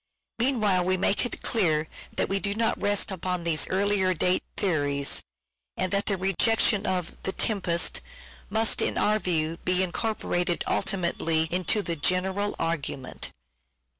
Meanwhile we make it clear that we do not rest upon these earlier date theories, and that the rejection of " The Tempest " must in our view be incorporated ultimately into the general argument.